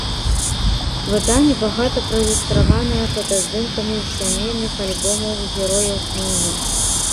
Выданне багата праілюстраваная фотаздымкамі з сямейных альбомаў герояў кнігі.